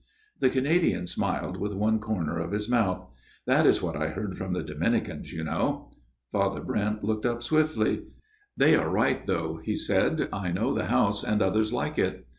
The Canadian smiled with one corner of his mouth. " This is what I heard from the Dominicans, you know." Father Brent looked up swiftly. " They are right though," he said. " I know the house and others like it."